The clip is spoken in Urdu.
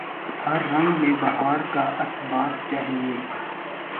ہر رنگ میں بہار کا اثبات چاہیے